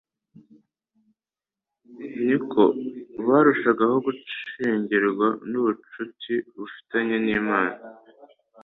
niko barushagaho gucengerwa n'ubucuti bafitanye n'Imana,